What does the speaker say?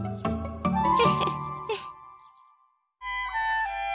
フフフ。